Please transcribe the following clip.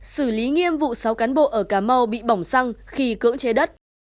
xử lý nghiêm vụ sáu cán bộ ở cà mau bị bỏng xăng khi cưỡng chế đất